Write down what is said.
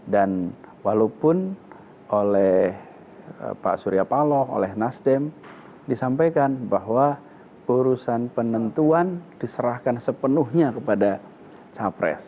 dan walaupun oleh pak surya paloh oleh nasdem disampaikan bahwa urusan penentuan diserahkan sepenuhnya kepada cawapres